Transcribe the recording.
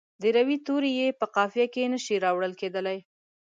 د روي توري یې په قافیه کې نه شي راوړل کیدلای.